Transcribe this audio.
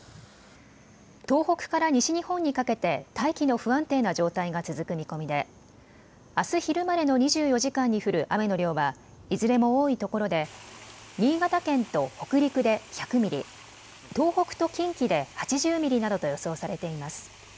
東北から西日本にかけて大気の不安定な状態が続く見込みであす昼までの２４時間に降る雨の量はいずれも多いところで新潟県と北陸で１００ミリ、東北と近畿で８０ミリなどと予想されています。